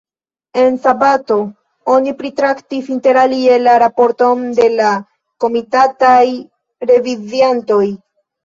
En sabato oni pritraktis interalie la raporton de la komitataj reviziantoj.